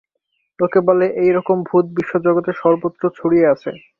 লোকে বলে, এই রকম ভূত বিশ্বজগতে সর্বত্র ছড়িয়ে আছে।